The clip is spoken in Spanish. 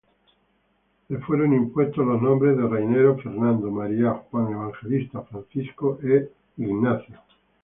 Le fueron impuestos los nombres de Raniero, Fernando, María, Juan Evangelista, Francisco e Ignacio.